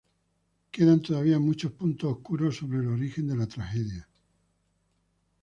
Quedan todavía muchos puntos oscuros sobre el origen de la tragedia.